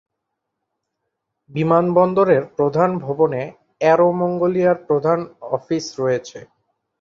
বিমানবন্দরের প্রধান ভবনে অ্যারো মঙ্গোলিয়ার প্রধান অফিস রয়েছে।